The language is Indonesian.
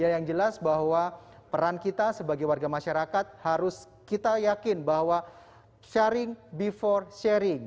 yang jelas bahwa peran kita sebagai warga masyarakat harus kita yakin bahwa sharing before sharing